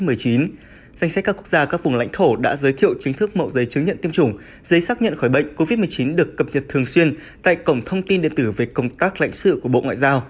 danh sách các quốc gia các vùng lãnh thổ đã giới thiệu chính thức mẫu giấy chứng nhận tiêm chủng giấy xác nhận khỏi bệnh covid một mươi chín được cập nhật thường xuyên tại cổng thông tin điện tử về công tác lãnh sự của bộ ngoại giao